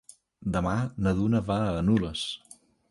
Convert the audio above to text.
Demà na Duna va a Nules.